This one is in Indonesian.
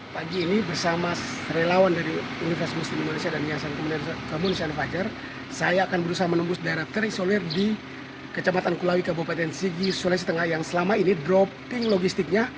pagi ini bersama relawan dari universitas muslim indonesia dan niasan fajar saya akan berusaha menembus daerah terisolir di kecamatan kulawi kabupaten sigi sulawesi tengah yang selama ini dropping logistiknya